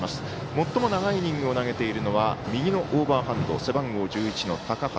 最も長いイニングを投げているのは右のオーバーハンド背番号１１の高橋。